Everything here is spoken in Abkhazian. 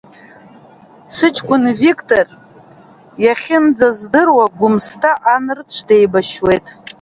Сыҷкәын Виктор, иахьынӡаздыруа, Гәымсҭа анырцә деибашьуеит.